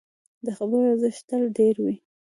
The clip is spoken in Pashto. د خبرو ارزښت تل ډېر وي